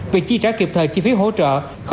việc chi trả kịp thời chi phí hỗ trợ